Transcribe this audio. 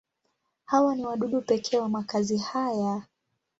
Hawa ni wadudu pekee wa makazi haya.